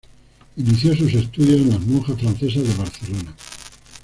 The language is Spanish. Inició sus estudios en las monjas francesas de Barcelona.